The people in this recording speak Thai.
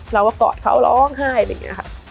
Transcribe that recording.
เราก็กอดเขาร้องไห้